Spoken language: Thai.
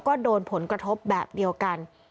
ก็โดนผลกระทบแบบเดียวกัน